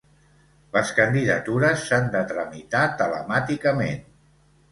Les candidatures s'han de tramitar telemàticament.